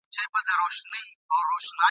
پلمې نه غواړي څېرلو ته د وریانو ..